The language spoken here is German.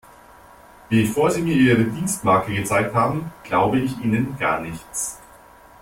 Bevor Sie mir Ihre Dienstmarke gezeigt haben, glaube ich Ihnen gar nichts.